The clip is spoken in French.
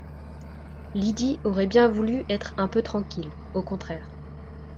Lydie aurait bien voulu être un peu tranquille, au contraire